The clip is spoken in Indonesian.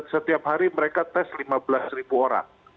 setiap hari mereka tes lima belas ribu orang